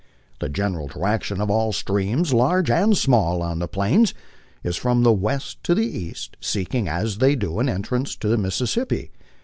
The general direction of all streams, large and small, on the Plains, is from the west to the east, seeking as they do an entrance to the Mississippi.